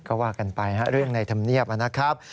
ก็ว่ากันไปเรื่องในธรรมเนียบนะครับ